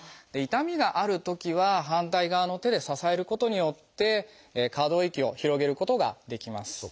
痛みがあるときは反対側の手で支えることによって可動域を広げることができます。